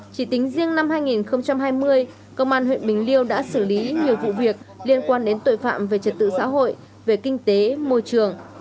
chỉ tính riêng năm hai nghìn hai mươi công an huyện bình liêu đã xử lý nhiều vụ việc liên quan đến tội phạm về trật tự xã hội về kinh tế môi trường